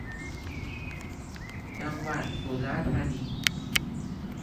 จังหวัดสุราษฏร์ธานี